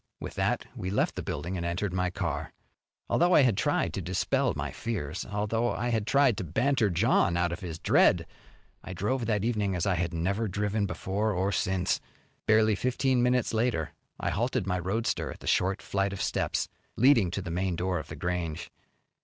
With that we left the building and entered my car. Although I had tried to dispel my fears, although I had tried to banter John out of his dread, I drove that evening as I had never driven before or since. Barely fifteen minutes later I halted my roadster at the short flight of steps leading to the main door of The Grange.